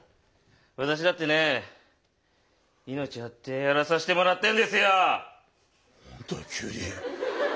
私だってね命張ってやらさせてもらってるんですよ！何だよ急に。